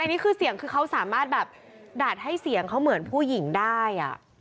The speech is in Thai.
อันนี้คือเสียงคือเขาสามารถแบบดัดให้เสียงเขาเหมือนผู้หญิงได้